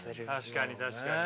確かに確かに。